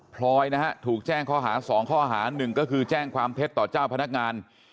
พลอยนะฮะถูกแจ้งข้อหา๒ข้อหาหนึ่งก็คือแจ้งความเท็จต่อเจ้าพนักงาน